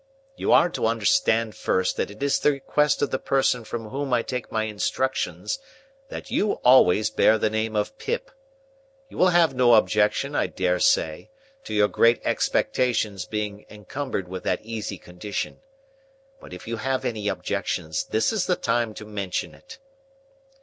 You are to understand, first, that it is the request of the person from whom I take my instructions that you always bear the name of Pip. You will have no objection, I dare say, to your great expectations being encumbered with that easy condition. But if you have any objection, this is the time to mention it."